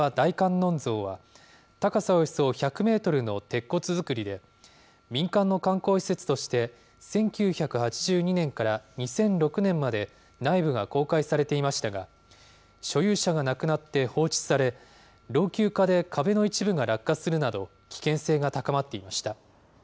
音像は、高さおよそ１００メートルの鉄骨造りで、民間の観光施設として１９８２年から２００６年まで、内部が公開されていましたが、所有者が亡くなって放置され、老朽化で壁の一部が落下するなど、危険性が高まっていました。